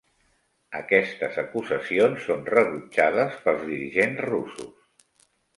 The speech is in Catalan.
Aquestes acusacions són rebutjades pels dirigents russos.